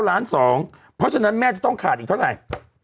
เพราะฉะนั้นแม่จะต้องขาดอีกเท่าไหร่